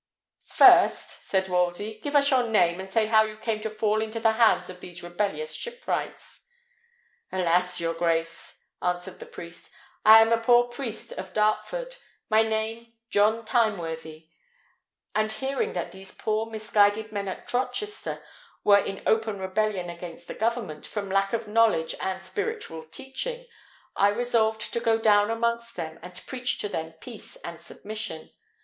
"First," said Wolsey, "give us your name, and say how you came to fall into the hands of these rebellious shipwrights." "Alas! your grace," answered the priest, "I am a poor priest of Dartford, my name John Timeworthy; and hearing that these poor misguided men at Rochester were in open rebellion against the government, from lack of knowledge and spiritual teaching, I resolved to go down amongst them and preach to them peace and submission.